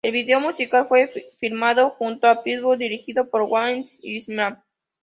El video musical fue filmado junto a Pitbull dirigido por Wayne Isham.